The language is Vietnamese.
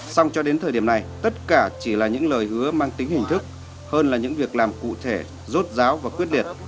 xong cho đến thời điểm này tất cả chỉ là những lời hứa mang tính hình thức hơn là những việc làm cụ thể rốt ráo và quyết liệt